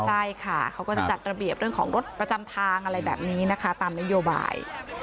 ใช่ค่ะเขาก็จะจัดระเบียบเรื่องของรถประจำทางอะไรแบบนี้นะคะตามนโยบาย